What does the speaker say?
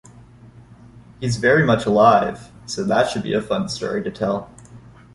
He is very much alive, so that should be a fun story to tell.